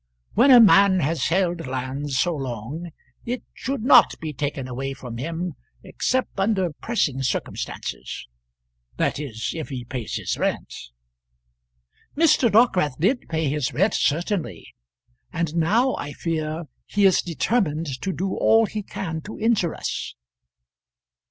"When a man has held land so long it should not be taken away from him except under pressing circumstances; that is if he pays his rent." "Mr. Dockwrath did pay his rent, certainly; and now, I fear, he is determined to do all he can to injure us."